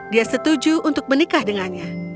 dia setuju untuk menikah dengannya